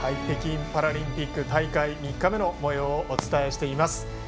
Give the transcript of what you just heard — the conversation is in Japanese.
北京パラリンピック大会３日目のもようをお伝えしています。